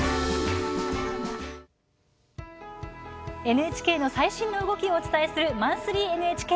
ＮＨＫの最新の動きをお伝えする「マンスリーＮＨＫ」。